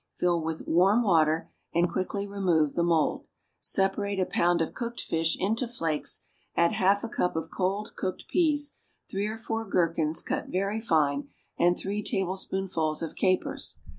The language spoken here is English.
Fill with warm water and quickly remove the mould. Separate a pound of cooked fish into flakes, add half a cup of cold cooked peas, three or four gherkins, cut very fine, and three tablespoonfuls of capers.